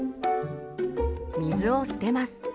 水を捨てます。